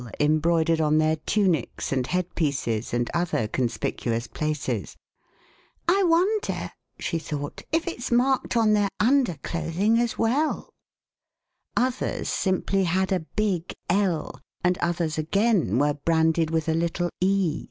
embroidered on their tunics and headpieces and other conspicuous places (*' I wonder," she thought, '* if it s marked on their underclothing as well *'); others simply had a big L," and others again were branded with a little e."